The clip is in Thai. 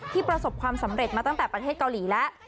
ประสบความสำเร็จมาตั้งแต่ประเทศเกาหลีแล้ว